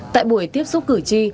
tại buổi tiếp xúc cử tri